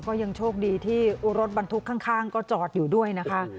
ก็ยังโชคดีที่รถบรรทุกข้างก็จอดอยู่ด้วยนะคะ